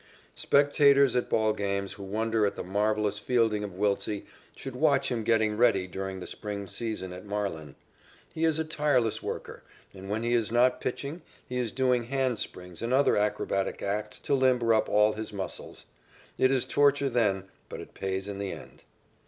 Spectators at ball games who wonder at the marvellous fielding of Wiltse should watch him getting ready during the spring season at Marlin. He is a tireless worker, and when he is not pitching he is doing hand springs and other acrobatic acts to limber up all his muscles. It is torture then, but it pays in the end.